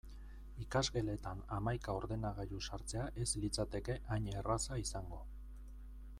Ikasgeletan hamaika ordenagailu sartzea ez litzateke hain erraza izango.